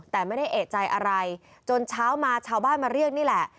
แต่ไม่ได้เอกใจอะไรจนเช้ามาชาวบ้านมาเรียกนี่แหละ